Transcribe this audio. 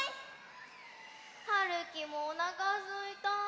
はるきもおなかすいた。